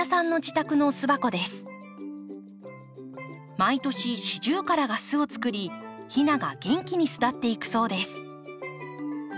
毎年シジュウカラが巣を作りひなが元気に巣立っていくそうです。